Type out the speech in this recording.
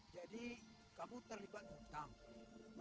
jadi kamu terlibat untuk tamu